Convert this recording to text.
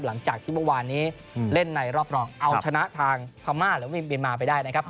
หลังจากที่เมื่อวานนี้เล่นในรอบรองเอาชนะทางพม่าหรือว่าเมียนมาไปได้นะครับ